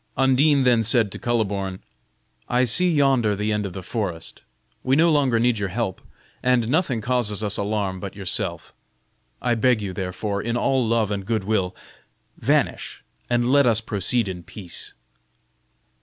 Undine then said to Kuhleborn, "I see yonder the end of the forest. We no longer need your help, and nothing causes us alarm but yourself. I beg you, therefore, in all love and good will, vanish, and let us proceed in peace."